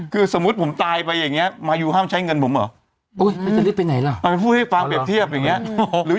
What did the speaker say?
คือสมมุติผมตายไปอย่างนี้มายูห้ามใช้เงินผมเหรอ